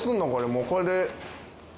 もうこれで。